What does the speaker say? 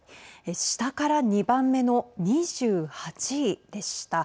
下から２番目の２８位でした。